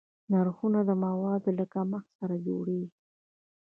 نرخونه د موادو له کمښت سره لوړېږي.